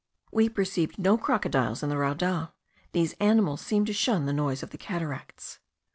We perceived no crocodiles in the raudal; these animals seem to shun the noise of cataracts.